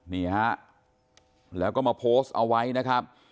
นี่ฮะแล้วก็มาโพสต์เอาไว้นะครับ